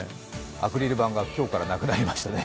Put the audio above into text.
アクリル板が今日からなくなりましたね。